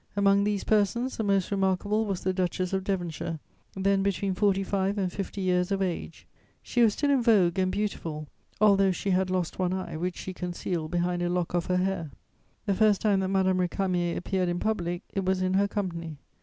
Among these persons, the most remarkable was the Duchess of Devonshire, then between forty five and fifty years of age. She was still in vogue and beautiful, although she had lost one eye, which she concealed behind a lock of her hair. The first time that Madame Récamier appeared in public, it was in her company.